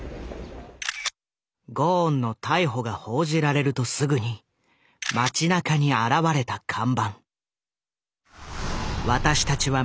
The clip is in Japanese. ゴーンの逮捕が報じられるとすぐに街なかに現れた看板。